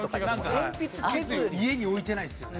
鉛筆けずり家に置いてないですよね。